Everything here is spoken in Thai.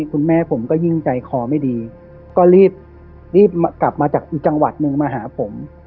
คุณแม่ผมก็ยิ่งใจคอไม่ดีก็รีบกลับมาจากอีกจังหวัดหนึ่งมาหาผม